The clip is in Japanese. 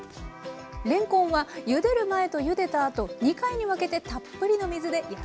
れんこんはゆでる前とゆでたあと２回に分けてたっぷりの水で優しく洗います。